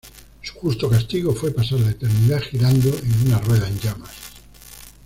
Su justo castigo fue pasar la eternidad girando en una rueda en llamas.